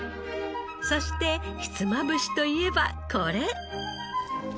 そしてひつまぶしといえばこれ。